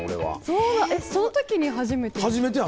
その時に初めて。